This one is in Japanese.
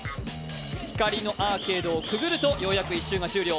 光のアーケードをくぐるとようやく１周が終了。